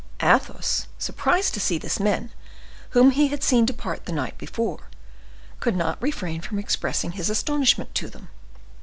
Athos, surprised to see these men, whom he had seen depart the night before, could not refrain from expressing his astonishment to them.